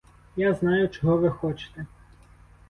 Я знаю, чого ви хочете.